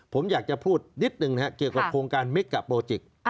ผมอยากจะพูดนิดหนึ่งนะฮะเกี่ยวกับโครงการเมกกับโปรเจค